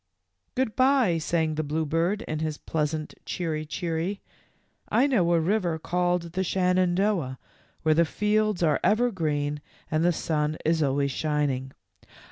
" Good by," sang the bluebird, in his pleas ant " cheery, cheery." "I know a river called the Shenandoah where the fields are ever green and the sun is always shining.